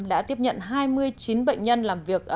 đã tiếp nhận hai mươi chín bệnh nhân làm việc